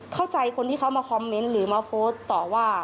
คนที่เขามาคอมเมนต์หรือมาโพสต์ต่อว่า